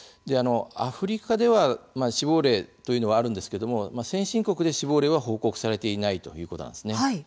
アフリカでは死亡例というのはあるんですけれども先進国で死亡例は報告されていないということなんですね。